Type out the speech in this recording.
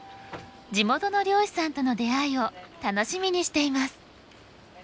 地元の漁師さんとの出会いを楽しみにしています。